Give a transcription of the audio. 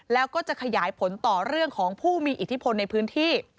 แล้วก็จะขยายผลต่อเรื่องของผู้มีอิทธิพลในพื้นที่